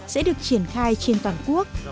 sẽ được triển khai trên toàn quốc